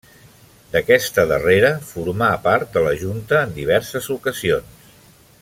D’aquesta darrera formà part de la junta en diverses ocasions.